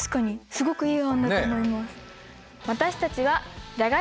すごくいい案だと思います。